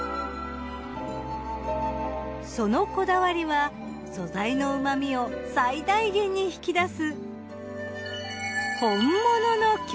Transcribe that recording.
そのこだわりは素材の旨みを最大限に引き出す。